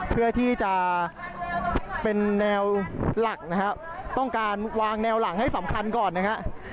เพื่อที่จะเป็นแนวหลักนะครับต้องการวางแนวหลังให้สำคัญก่อนนะครับ